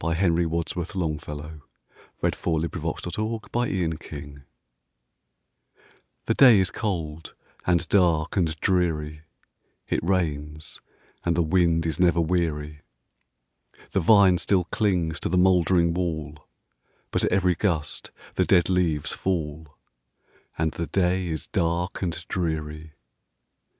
Henry Wadsworth Longfellow 780. The Rainy Day THE DAY is cold, and dark, and dreary; It rains, and the wind is never weary; The vine still clings to the mouldering wall, But at every gust the dead leaves fall, And the day is dark and dreary.